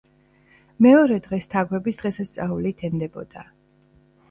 მეორე დღეს თაგვების დღესასწაული თენდებოდა